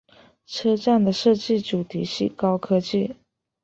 车站的设计主题是高科技。